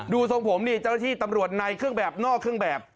ทรงผมนี่เจ้าหน้าที่ตำรวจในเครื่องแบบนอกเครื่องแบบ